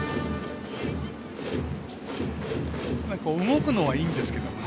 動くのはいいんですけどね